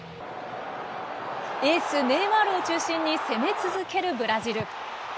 エース、ネイマールを中心に攻め続けるブラジル。